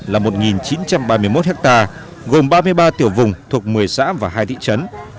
là một chín trăm ba mươi một ha gồm ba mươi ba tiểu vùng thuộc một mươi xã và hai thị trấn